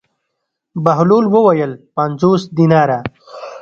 بهلول وویل: پنځوس دیناره.